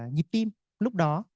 nhịp tim lúc đó